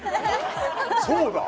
そうだ！